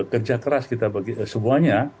kerja keras kita bagi semuanya